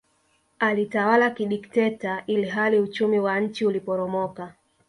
Alitawala kidikteta ilhali uchumi wa nchi uliporomoka